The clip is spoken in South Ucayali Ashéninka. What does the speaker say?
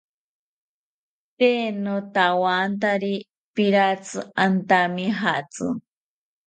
Tee notawantari piratzi antamijatzi